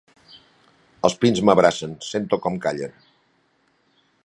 Els pins m’abracen, sento com callen.